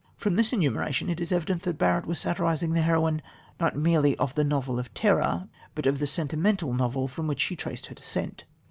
From this enumeration it is evident that Barrett was satirising the heroine, not merely of the "novel of terror," but of the "sentimental novel" from which she traced her descent.